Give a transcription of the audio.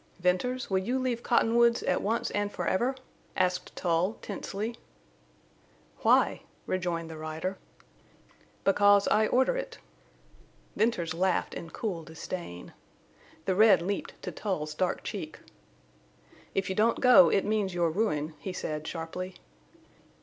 "Venters, will you leave Cottonwoods at once and forever?" asked Tull, tensely. "Why?" rejoined the rider. "Because I order it." Venters laughed in cool disdain. The red leaped to Tull's dark cheek. "If you don't go it means your ruin," he said, sharply.